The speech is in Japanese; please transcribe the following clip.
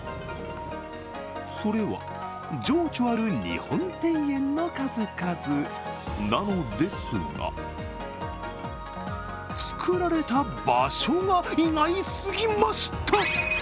それは情緒ある日本庭園の数々なのですが造られた場所が、意外すぎました。